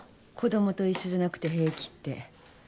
子供と一緒じゃなくて平気って。